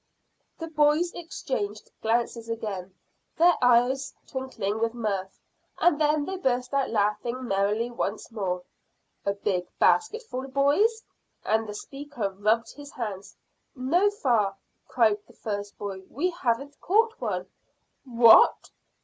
The boys exchanged glances again, their eyes twinkling with mirth, and then they burst out laughing merrily once more. "A big basketful, boys?" And the speaker rubbed his hands. "No, fa," cried the first boy. "We haven't caught one." "What!